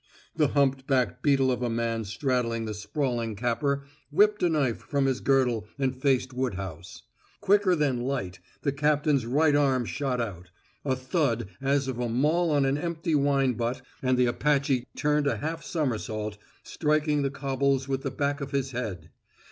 The humped black beetle of a man straddling the sprawling Capper whipped a knife from his girdle and faced Woodhouse. Quicker than light the captain's right arm shot out; a thud as of a maul on an empty wine butt, and the Apache turned a half somersault, striking the cobbles with the back of his head.